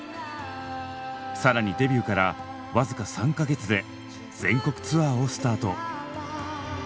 更にデビューからわずか３か月で全国ツアーをスタート。